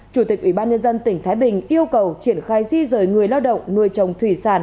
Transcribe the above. chủ tịch ủy ban nhân dân tỉnh thái bình yêu cầu triển khai di rời người lao động nuôi trồng thủy sản